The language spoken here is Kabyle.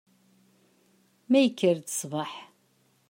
Ma yekker-d sbeḥ.